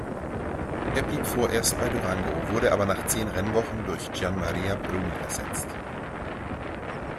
Er blieb vorerst bei Durango wurde aber nach zehn Rennwochenenden durch Gianmaria Bruni ersetzt.